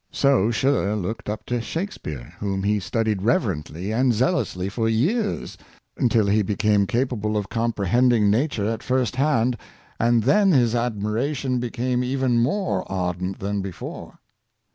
So Schiller looked up to Shakspeare, whom he studied reverentl}^ and zealously for years, until he became capable of com prehending nature at first hand, and then his admiration became even more ardent than before.